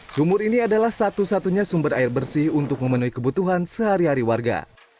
sumur ini adalah satu satunya sumber air bersih untuk memenuhi kebutuhan sehari hari warga